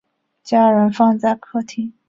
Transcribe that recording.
家人放在客厅